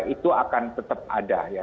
itu akan tetap ada